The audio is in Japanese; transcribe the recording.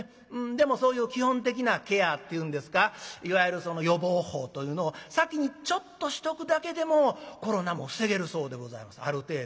でもそういう基本的なケアっていうんですかいわゆる予防法というのを先にちょっとしとくだけでもコロナも防げるそうでございますある程度。